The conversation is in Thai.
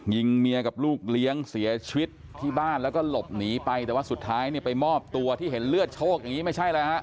ยิงเมียกับลูกเลี้ยงเสียชีวิตที่บ้านแล้วก็หลบหนีไปแต่ว่าสุดท้ายเนี่ยไปมอบตัวที่เห็นเลือดโชคอย่างนี้ไม่ใช่แล้วฮะ